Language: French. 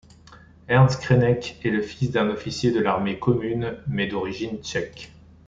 Ernst Křenek est le fils d'un officier de l'Armée commune mais d'origine tchèque.